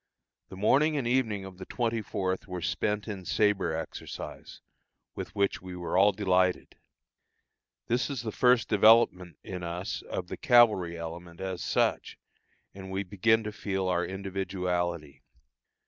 The morning and evening of the 24th were spent in sabre exercise, with which we were all delighted. This is the first development in us of the cavalry element as such, and we begin to feel our individuality.